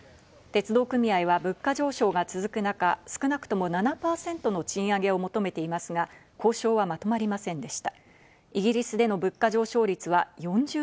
鉄道組合は物価上昇が続く中、少なくとも７％の賃上げを求めていますが、交渉はまとまお天気です。